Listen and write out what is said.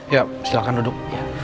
ya silahkan duduk